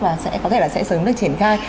và có thể là sẽ sớm được triển khai